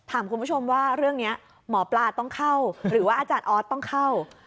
ถามคุณผู้ชมว่าเรื่องนี้หมอปลาต้องเข้าหรือว่าอาจารย์ออสต้องเข้า